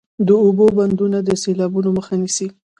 د اوبو بندونه د سیلابونو مخه نیسي